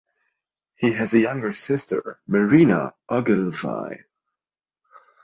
He has a younger sister, Marina Ogilvy.